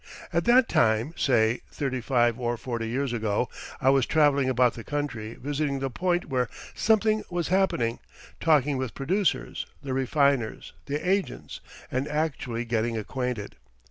At that time, say thirty five or forty years ago, I was travelling about the country visiting the point where something was happening, talking with the producers, the refiners, the agents, and actually getting acquainted.